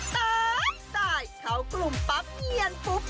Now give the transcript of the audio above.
ตายเข้ากลุ่มปั๊บเนียนปุ๊บ